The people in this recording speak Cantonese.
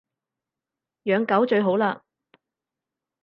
養狗最好喇